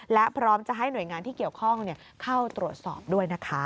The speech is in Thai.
และพร้อมจะให้หน่วยงานที่เกี่ยวข้องเข้าตรวจสอบด้วยนะคะ